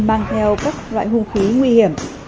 mang theo các loại khung khí nguy hiểm